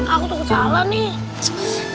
aku tuh kesalah nih